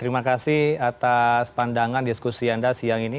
terima kasih atas pandangan diskusi anda siang ini